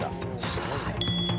すごいね。